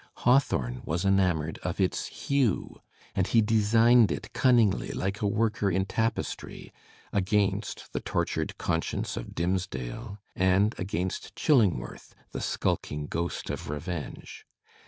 Hawthorne wae enamoured of / its hue and he designed it cunningly like a worker in tapestiy against the tortured conscience of Dimmesdale, and against Chillingworth, the skulking ghost of revenge.